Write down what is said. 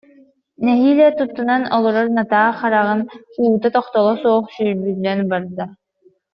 Нэһиилэ туттунан олорор Натаа хараҕын уута тохтоло суох сүүрбүтүнэн барда